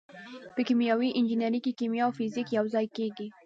په کیمیاوي انجنیری کې کیمیا او فزیک یوځای کیږي.